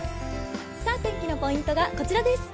天気のポイントがこちらです。